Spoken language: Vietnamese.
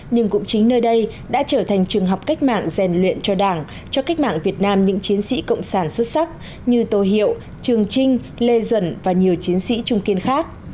nhưng cũng chính nơi đây đã trở thành trường học cách mạng rèn luyện cho đảng cho cách mạng việt nam những chiến sĩ cộng sản xuất sắc như tô hiệu trường trinh lê duẩn và nhiều chiến sĩ trung kiên khác